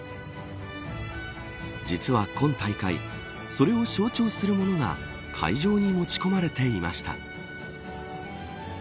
実は、今大会それを象徴するものが会場に持ち込まれていました。